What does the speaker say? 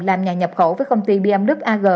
làm nhà nhập khẩu với công ty bmw ag